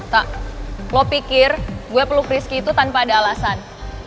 tak lo pikir gue peluk rizky itu tanpa ada alasan